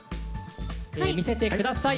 見せてください。